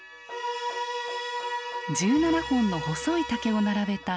１７本の細い竹を並べた「笙」。